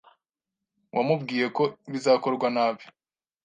wamubwiye ko bizakorwa nabi